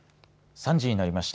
３時になりました。